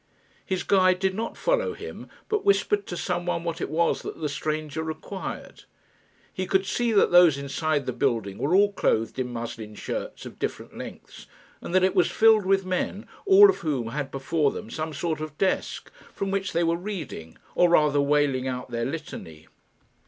His guide did not follow him, but whispered to some one what it was that the stranger required. He could see that those inside the building were all clothed in muslin shirts of different lengths, and that it was filled with men, all of whom had before them some sort of desk, from which they were reading, or rather wailing out their litany.